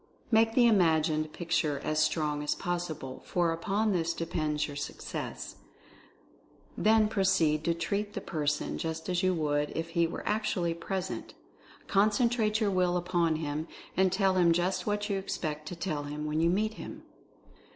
Make the imagined picture as strong as possible, for upon this depends your success. Then proceed to 'treat' the person just as you would if he were actually present. Concentrate your will upon him, and tell him just what you expect to tell him when you meet him.